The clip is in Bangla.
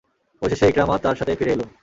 অবশেষে ইকরামা তার সাথে ফিরে এল।